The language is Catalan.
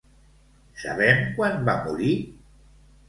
Sabem quan va morir?